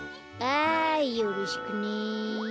ああよろしくね。